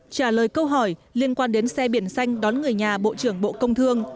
trả lời câu hỏi liên quan đến xe biển xanh đón người nhà bộ trưởng bộ công thương